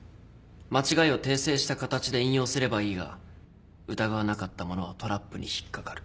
間違いを訂正した形で引用すればいいが疑わなかった者はトラップに引っ掛かる。